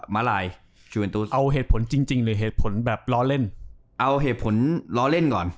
มาลายเอาเหตุผลจริงจริงหรือเหตุผลแบบล้อเล่นเอาเหตุผลล้อเล่นก่อน